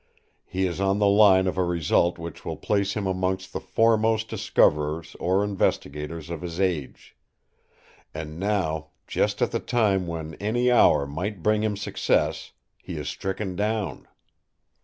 He is on the line of a result which will place him amongst the foremost discoverers or investigators of his age. And now, just at the time when any hour might bring him success, he is stricken down!"